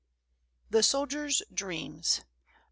THE SOLDIERS' DREAMS.